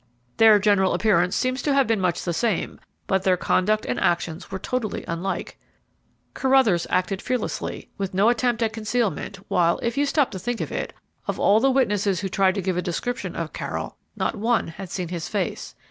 "Their general appearance seems to have been much the same, but their conduct and actions were totally unlike. Carruthers acted fearlessly, with no attempt at concealment; while, if you will stop to think of it, of all the witnesses who tried to give a description of Carroll, not one had seen his face.